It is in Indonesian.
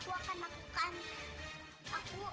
oh dia sedang marah